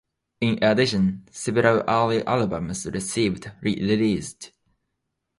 In addition, several early albums received re-releases.